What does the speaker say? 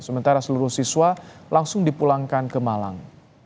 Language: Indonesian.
sementara seluruh siswa langsung dipulangkan ke malang